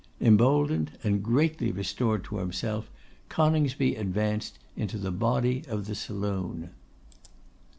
Emboldened and greatly restored to himself, Coningsby advanced into the body of the saloon.